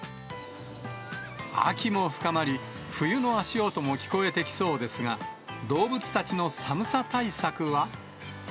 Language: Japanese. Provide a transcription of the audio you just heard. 秋も深まり、冬の足音も聞こえてきそうですが、動物たちの寒さ対策は。